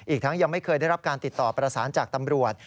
อีกทั้งยังไม่เคยได้รับการติดต่อประสานจากตำรวจ